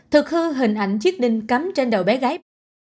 thực hư hình ảnh chiếc đinh cấm trên đầu bé gái